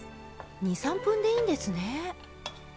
２３分でいいんですね。